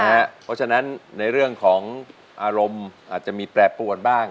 เพราะฉะนั้นในเรื่องของอารมณ์อาจจะมีแปรปวนบ้าง